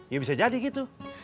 ya bisa jadi gitu